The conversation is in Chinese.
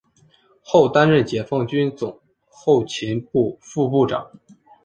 后担任解放军总后勤部副部长。